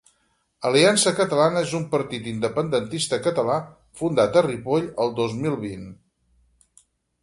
Aliança Catalana és un partit independentista català fundat a Ripoll el dos mil vint